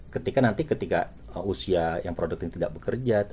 ketika nanti usia yang produktif tidak bekerja